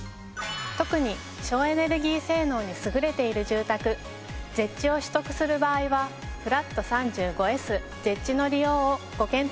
特に省エネルギー性能に優れている住宅「ＺＥＨ」を取得する場合は「フラット３５ＳＺＥＨ」の利用をご検討ください。